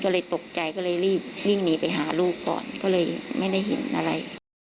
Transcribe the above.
ก็เลยตกใจก็เลยรีบวิ่งหนีไปหาลูกก่อนก็เลยไม่ได้เห็นอะไร